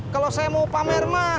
kalau saya mau pamer mah